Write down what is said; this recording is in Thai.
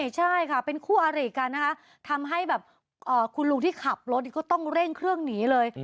ใช่ค่ะเป็นคู่อาริกันนะคะทำให้แบบคุณลุงที่ขับรถก็ต้องเร่งเครื่องหนีเลย